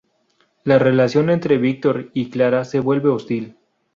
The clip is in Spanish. La relación entre Víctor y Clara se vuelve hostil.